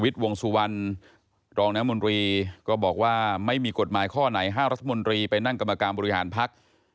ถ้าไม่มีกฎหมายข้อไหนห้างรัฐมนตรีไปนั่งกรรมการบริหารพักษณ์